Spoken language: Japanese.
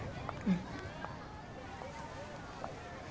うん。